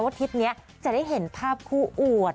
ทริปนี้จะได้เห็นภาพคู่อวด